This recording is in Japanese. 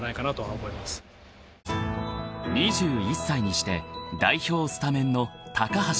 ［２１歳にして代表スタメンの］